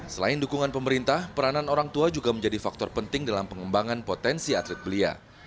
selain dukungan pemerintah peranan orang tua juga menjadi faktor penting dalam pengembangan potensi atlet belia